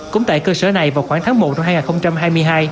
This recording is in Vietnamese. cũng tại cơ sở này vào khoảng tháng một năm hai nghìn hai mươi hai